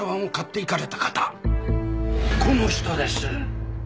この人です。